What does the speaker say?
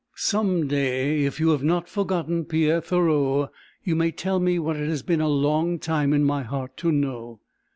Some day, if you have not forgotten Pierre Thoreau, you may tell me what it has been a long time in my heart to know.